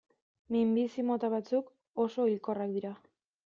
Minbizi mota batzuk oso hilkorrak dira.